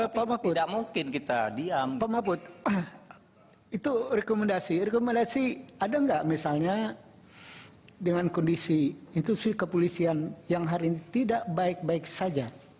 pak mahfud itu rekomendasi rekomendasi ada gak misalnya dengan kondisi itu si kepolisian yang hari ini tidak baik baik saja